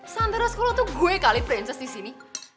sampai luar sekolah tuh gue kali prinses disini